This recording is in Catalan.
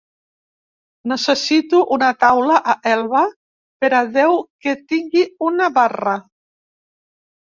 Necessito una taula a Elba per a deu que tingui una barra